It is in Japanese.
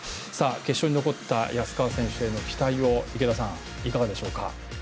決勝に残った安川選手への期待いかがでしょうか？